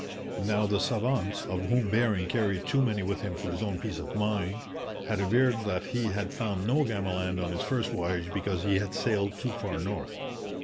Now the savants, of whom Bering carried too many with him for his own peace of mind, had averred that he had found no Gamaland on his first voyage because he had sailed too far north.